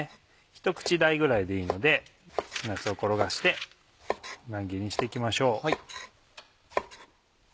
ひと口大ぐらいでいいのでなすを転がして乱切りにして行きましょう。